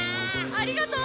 ありがとう！